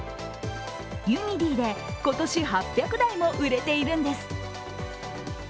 ユニディで今年８００台も売れているんです。